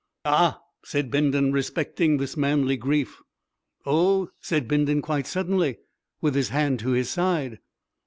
"Ah!" said Bindon, respecting this manly grief. "Oh!" said Bindon quite suddenly, with his hand to his side.